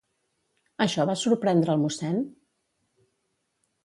Això va sorprendre el mossèn?